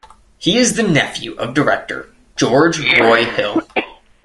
He is the nephew of director George Roy Hill.